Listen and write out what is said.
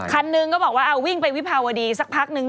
คันหนึ่งก็บอกว่าวิ่งไปวิภาวดีสักพักนึง